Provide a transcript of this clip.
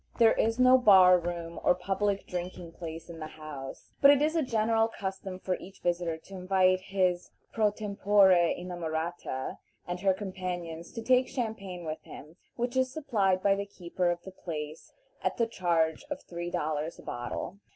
There is no bar room or public drinking place in the house, but it is a general custom for each visitor to invite his pro tempore inamorata and her companions to take champagne with him, which is supplied by the keeper of the place at the charge of three dollars a bottle.